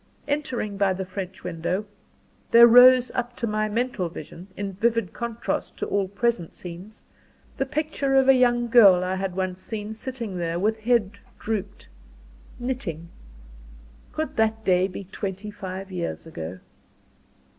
Entering by the French window, there rose up to my mental vision, in vivid contrast to all present scenes, the picture of a young girl I had once seen sitting there, with head drooped, knitting. Could that day be twenty five years ago?